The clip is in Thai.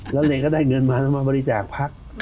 แล้วเลก็ได้เงินมาแล้วมาบริจาคพัก